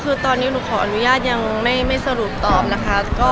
คือตอนนี้หนูขออนุญาตยังไม่สรุปตอบนะคะ